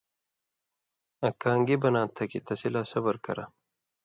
آں کاں گی بناں تھہ کھیں تسی لا صبُر کرہ؛